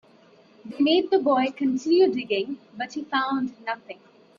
They made the boy continue digging, but he found nothing.